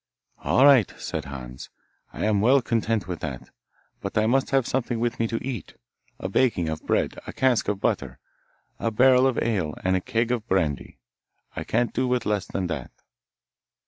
'All right,' said Hans; 'I am well content with that, but I must have something with me to eat a baking of bread, a cask of butter, a barrel of ale, and a keg of brandy. I can't do with less than that.